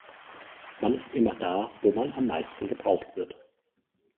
Man ist immer da, wo man am meisten gebraucht wird.